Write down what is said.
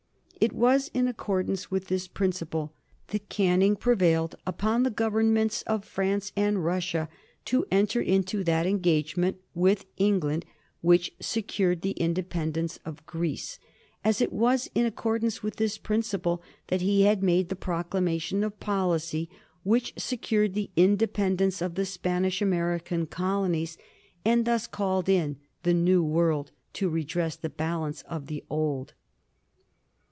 It was in accordance with this principle that Canning prevailed upon the Governments of France and Russia to enter into that engagement with England which secured the independence of Greece, as it was in accordance with this principle that he had made the proclamation of policy which secured the independence of the Spanish American colonies, and thus called in the New World to redress the balance of the Old.